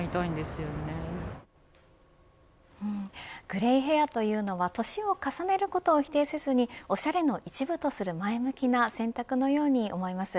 グレイヘアというのは年を重ねることを否定せずにおしゃれの一部とする前向きな選択のように思います。